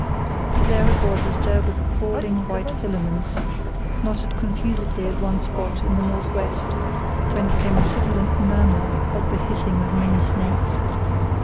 There it was astir with crawling white filaments, knotted confusedly at one spot in the north west, whence came a sibilant murmur like the hissing of many snakes.